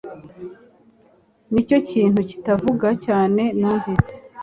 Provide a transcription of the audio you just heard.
Nicyo kintu kitavuga cyane numvise